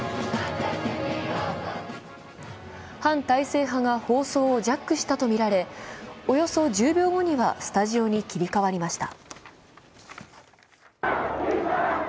反体制派が放送をジャックしたとみられおよそ１０秒後にはスタジオに切り替わりました。